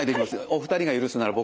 お二人が許すなら僕